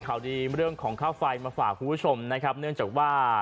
ข่าวดีเรื่องของค่าไฟมาฝากคุณผู้ชมนะครับเนื่องจากว่า